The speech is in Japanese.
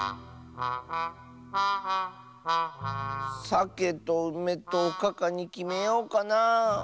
さけとうめとおかかにきめようかなあ。